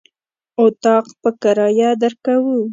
اطاق په کرايه درکوو.